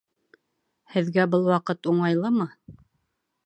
Һеҙгә был ваҡыт уңайлымы?